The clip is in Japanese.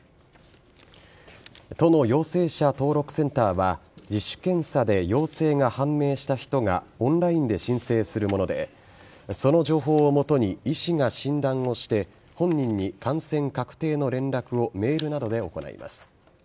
都の陽性者登録センターは自主検査で陽性が判明した人がオンラインで申請するものでその情報を基に医師が診断をして本人に感染確定の連絡をメールなどで行います。